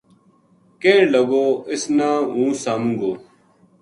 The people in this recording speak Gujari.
کہن لگو اس نا ہوں ساموں گو